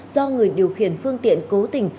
do người điều khiển phương tiện cố tình